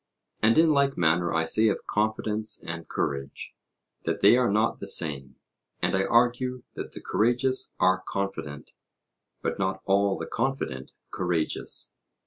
And in like manner I say of confidence and courage, that they are not the same; and I argue that the courageous are confident, but not all the confident courageous.